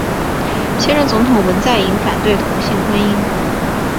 现任总统文在寅反对同性婚姻。